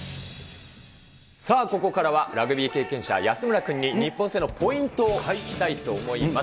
さあここからは、ラグビー経験者、安村君に日本戦のポイントを聞きたいと思います。